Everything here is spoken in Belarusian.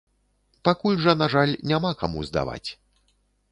Пакуль жа, на жаль, няма каму здаваць.